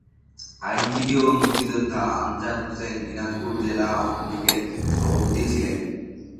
আইনজীবী ও মুক্তিযোদ্ধা আমজাদ হোসেন দিনাজপুর জেলা আওয়ামীলীগের সভাপতি ছিলেন।